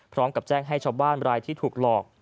พร้อมกับแจ้งให้ชาวบ้านรายที่ถูกหลอก